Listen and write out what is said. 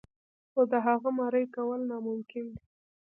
خو د هغه مريي کول ناممکن کوي.